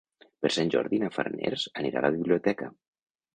Per Sant Jordi na Farners anirà a la biblioteca.